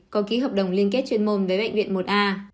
có ký hợp đồng liên kết chuyên môn với bệnh viện một a